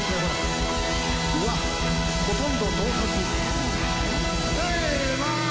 うわっほとんど盗撮。